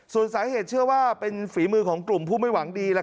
ส่วนสาเหตุเชื่อว่าเป็นฝีมือของกลุ่มผู้ไม่หวังดี